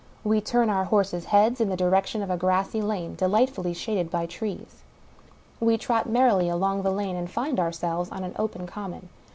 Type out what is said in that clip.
We turn our horses' heads in the direc tion of a grassy lane, delightfully shaded by trees. We trot merrily along the lane, and find ourselves on an open common.